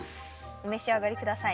お召し上がりください。